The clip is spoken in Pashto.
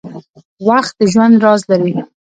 • وخت د ژوند راز لري.